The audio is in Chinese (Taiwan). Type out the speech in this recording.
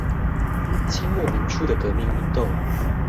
清末民初的革命運動